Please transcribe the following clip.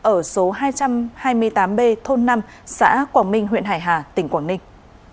ở số hai trăm hai mươi tám b thôn năm xã quảng minh huyện hải hà tỉnh quảng ninh